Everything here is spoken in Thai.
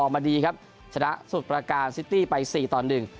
มาดีครับชนะสูตรประการซิตี้ไปสี่ต่อหนึ่ง